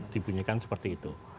dibunyikan seperti itu